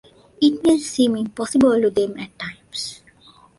It may seem impossible to them at times.